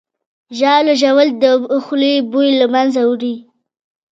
ژاوله ژوول د خولې بوی له منځه وړي.